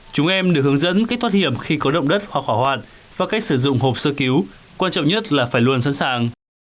chúng em được hướng dẫn cách thoát hiểm khi có động đất hoặc hỏa hoạn và cách sử dụng hộp sơ cứu quan trọng nhất là phải luôn sẵn sàng